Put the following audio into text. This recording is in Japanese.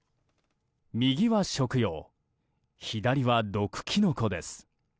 右は食用、左は毒キノコです。